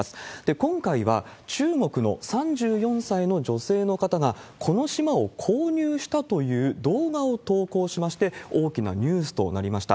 今回は、中国の３４歳の女性の方がこの島を購入したという動画を投稿しまして、大きなニュースとなりました。